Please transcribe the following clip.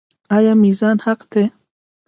آیا میزان حق دی؟